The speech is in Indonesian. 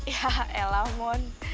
ya elah mon